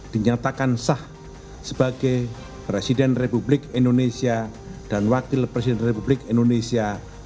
dinyatakan sah sebagai presiden republik indonesia dan wakil presiden republik indonesia